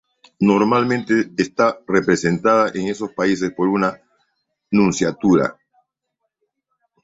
Normalmente está representada en esos países por una Nunciatura.